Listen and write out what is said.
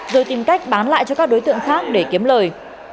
rồi tìm cách bán lại cho các đối tượng khác để kiếm lời